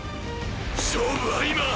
勝負は今！！